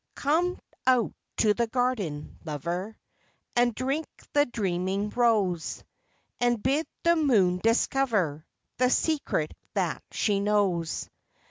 52 THE WHITE ROSE. 53 Come out to the garden, lover, And drink the dreaming rose, And bid the moon discover The secret that she knows.